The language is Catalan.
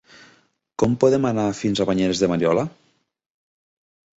Com podem anar fins a Banyeres de Mariola?